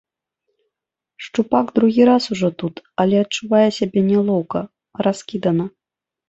Шчупак другі раз ужо тут, але адчувае сябе нялоўка, раскідана.